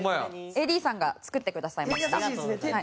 ＡＤさんが作ってくださいました。